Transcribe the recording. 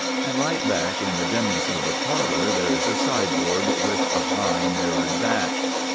And right back in the dimness of the parlour there is a sideboard with a high mirrored back.